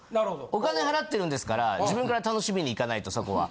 お金払ってるんですから自分から楽しみに行かないとそこは。